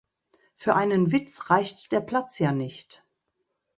Für einen Witz reicht der Platz ja nicht.